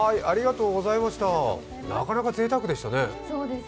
なかなかぜいたくでしたね。